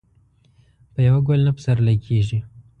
په يوه ګل نه پسرلی کېږي.